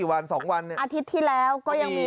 อาทิตย์ที่แล้วก็ยังมี